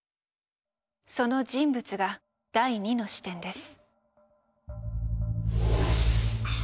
その人物が第２の視点です。